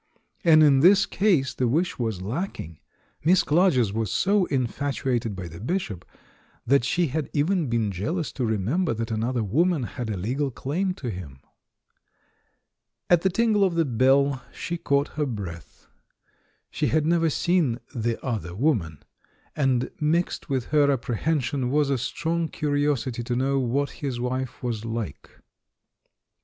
And in this case, the wish was lacking; Miss Clarges was so infatuated by the Bishop that she had even been jealous to remember that another woman had a legal claim to him. At the tingle of the bell, she caught her breath. She had never seen "the other woman," and mixed with her apprehension was a strong curi osity to know what his wife was like.